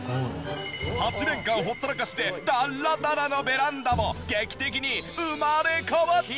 ８年間ほったらかしでドッロドロのベランダも劇的に生まれ変わった！